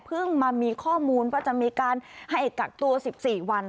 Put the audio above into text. เพิ่งมามีข้อมูลว่าจะมีการให้กักตัว๑๔วัน